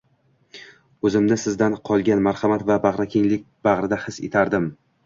oʻzimni sizdan qolgan marhamat va bagʻrikenglik bagʻrida his etardim.